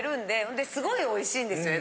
ほんですごいおいしいんですよ